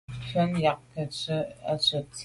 Mfen yag ke ntswe à ntshwèt.